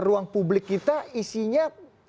ruang publik kita isinya